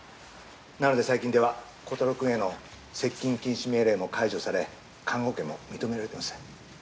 なので最近ではコタローくんへの接近禁止命令も解除され監護権も認められてます。